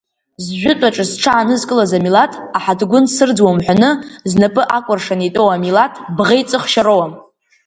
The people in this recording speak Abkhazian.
Зжәытәаҿы зҽаанызкылаз амилаҭ, аҳаҭгәын сырӡуам ҳәаны знапы акәыршан итәоу амилаҭ бӷеиҵыхшьа роуам.